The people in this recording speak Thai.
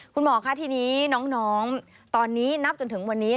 คุณหมอคะทีนี้น้องตอนนี้นับจนถึงวันนี้